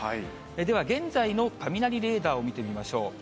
では、現在の雷レーダーを見てみましょう。